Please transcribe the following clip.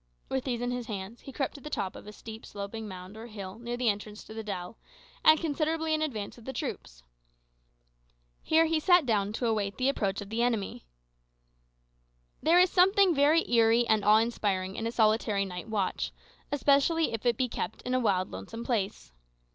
With these in his hands, he crept to the top of a steep, sloping mound or hill near the entrance to the dell, and considerably in advance of the troops. Here he sat down to await the approach of the enemy. There is something very eerie and awe inspiring in a solitary night watch, especially if it be kept in a wild, lonesome place.